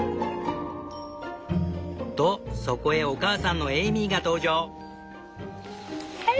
とそこへお母さんのエイミーが登場。